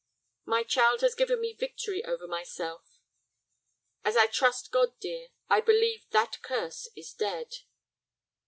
"My child has given me victory over myself. As I trust God, dear, I believe that curse is dead."